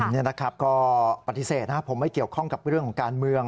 นี่นะครับก็ปฏิเสธนะครับผมไม่เกี่ยวข้องกับเรื่องของการเมือง